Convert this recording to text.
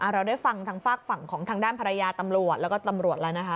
เราได้ฟังทางฝากฝั่งของทางด้านภรรยาตำรวจแล้วก็ตำรวจแล้วนะคะ